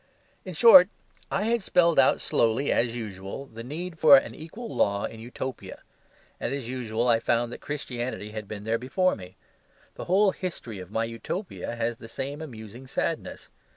In short, I had spelled out slowly, as usual, the need for an equal law in Utopia; and, as usual, I found that Christianity had been there before me. The whole history of my Utopia has the same amusing sadness.